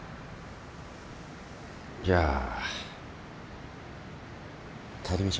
じゃあ帰りましょうか。